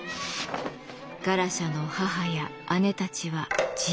ガラシャの母や姉たちは自害。